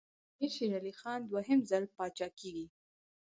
امیر شېر علي خان دوهم ځل پاچا کېږي.